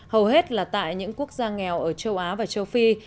hầu hết là tại những quốc gia nghèo ở châu á và châu phi